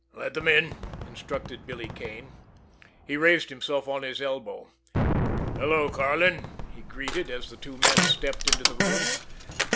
"Let them in," instructed Billy Kane. He raised himself on his elbow. "Hello, Karlin!" he greeted, as the two men stepped into the room.